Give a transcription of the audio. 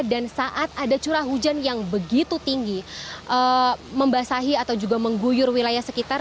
dan saat ada curah hujan yang begitu tinggi membasahi atau juga mengguyur wilayah sekitar